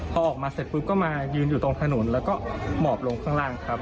พอออกมาเสร็จปุ๊บก็มายืนอยู่ตรงถนนแล้วก็หมอบลงข้างล่างครับ